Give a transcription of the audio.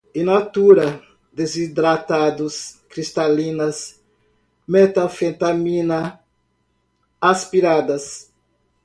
in natura, desidratados, cristalinas, metanfetamina, aspiradas